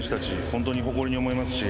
本当に誇りに思います。